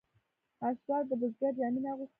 اشراف د بزګر جامې نه اغوستلې.